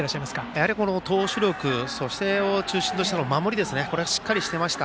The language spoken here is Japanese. やはり投手力、そしてそれを中心とした守りがしっかりしてました。